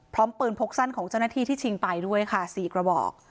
พร้อมปืนพกสั้นของเจ้าหน้าที่ที่ชิงไปด้วยค่ะ๔กระบอก